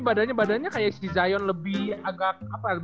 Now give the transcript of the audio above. badannya kayak si zion lebih agak